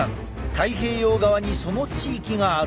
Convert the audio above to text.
太平洋側にその地域がある。